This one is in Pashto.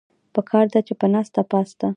پکار ده چې پۀ ناسته پاسته